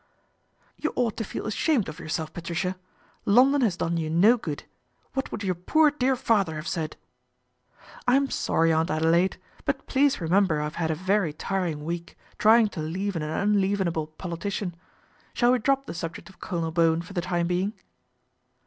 " You ought to feel ashamed of yourself, Pat ricia. London has done you no good. What would your poor dear father have said ?"" I'm sorry, Aunt Adelaide ; but please remem ber I've had a very tiring week, trying to leaven an unleavenable politician. Shall we drop the subject of Colonel Bowen for the time being